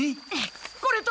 これと！